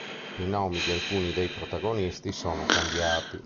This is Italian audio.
I nomi di alcuni dei protagonisti sono cambiati.